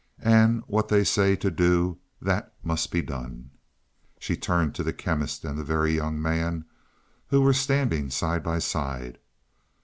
And what they say to do that must be done." She turned to the Chemist and the Very Young Man, who were standing side by side.